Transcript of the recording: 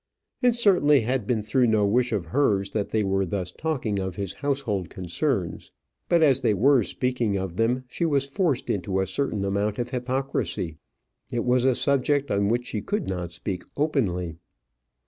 It certainly had been through no wish of hers that they were thus talking of his household concerns; but as they were speaking of them, she was forced into a certain amount of hypocrisy. It was a subject on which she could not speak openly.